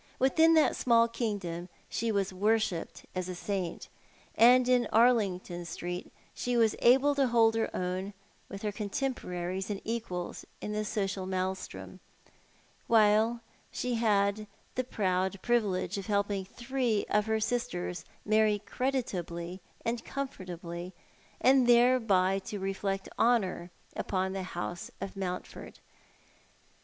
Within that small kingdom she was worshipped as a saint ; and in Arlington Street she was able to hold her own with her con temporaries and equals in the social maelstrom, while she had the proud privilege of helping three of her sisters to marry creditably and comfortably, and thereby to reflect honour upon the liouse of Mountford.